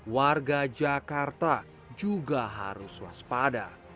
warga jakarta juga harus waspada